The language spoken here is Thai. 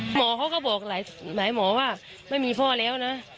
หมอเขาก็บอกหลายหมอว่าไม่มีพ่อแล้วนะ